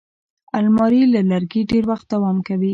الماري له لرګي ډېر وخت دوام کوي